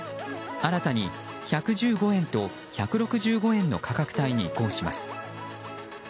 新たに１１５円と１６５円の価格帯に移行します。